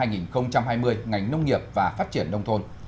ngành nông nghiệp và phát triển đông thôn